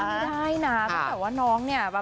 ไม่ได้นะตั้งแต่ว่าน้องเนี่ย